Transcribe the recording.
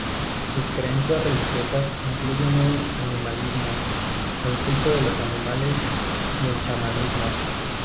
Sus creencias religiosas incluyen el animismo, el culto de los animales, y el chamanismo.